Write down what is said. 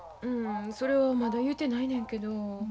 うんそれはまだ言うてないねんけど。